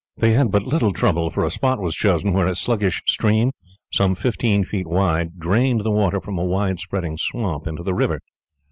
They had but little trouble, for a spot was chosen where a sluggish stream, some fifteen feet wide, drained the water from a wide spreading swamp into the river.